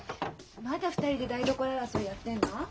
まだ２人で台所争いやってるの？